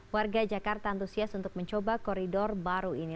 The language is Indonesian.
warga jakarta antusias untuk mencoba koridor baru ini